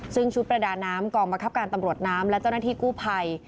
ซึ่งชุดประดาน้ำกองบังคับการตำรวจน้ำและเจ้าหน้าที่กู้ภัย